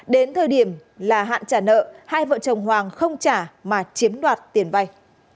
đến thời điểm là hạn trả nợ hai vợ chồng hoàng không trả mà chiếm đoạt tiền vay